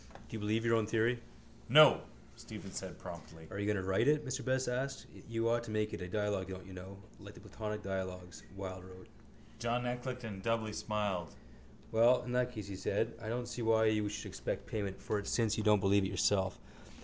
Do you believe your own theory? —No, Stephen said promptly. —Are you going to write it? Mr Best asked. You ought to make it a dialogue, don't you know, like the Platonic dialogues Wilde wrote. John Eclecticon doubly smiled. —Well, in that case, he said, I don't see why you should expect payment for it since you don't believe it yourself.